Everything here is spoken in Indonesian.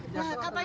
ini nggak takut